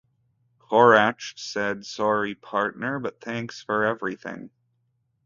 Korach said, sorry partner, but thanks for everything.